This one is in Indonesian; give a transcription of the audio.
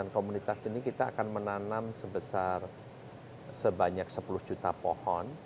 komunitas ini kita akan menanam sebesar sebanyak sepuluh juta pohon